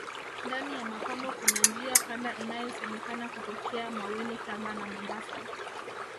ndani ya mapango Kuna njia panda inayosemekana kutokea maweni tanga na mombasa